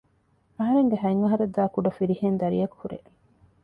އަހަރެންގެ ހަތް އަހަރަށްދާ ކުޑަ ފިރިހެން ދަރިއަކު ހުރޭ